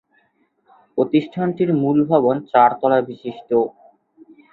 প্রতিষ্ঠানটির মূল ভবন চারতলা বিশিষ্ট।